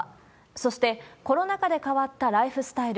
そして、コロナ禍で変わったライフスタイル。